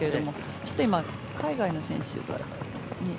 ちょっと今、海外の選手が。